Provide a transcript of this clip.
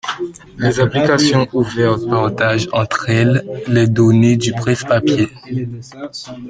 Les applications ouvertes partagent entre elles les données du presse-papier.